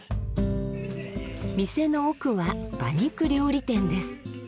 店の奥は馬肉料理店です。